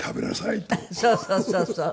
そうそうそうそう。